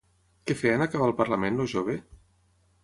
Què feia en acabar el parlament, el jove?